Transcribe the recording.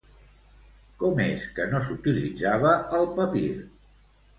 Com és que no s'utilitzava el papir?